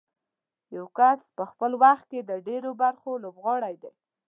یو کس په خپل وخت کې د ډېرو برخو لوبغاړی دی.